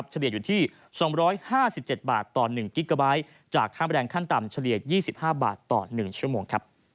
ฉลียดอยู่ที่๒๕๗บาทต่อ๑กิกาไบต์จากค่าแบรนด์ขั้นต่ำ๒๕บาทต่อ๑ชั่วโมง